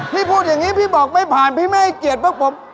พี่พูดอย่างนี้พี่บอกไม่ผ่านพี่ไม่ให้เกียรติพวกผม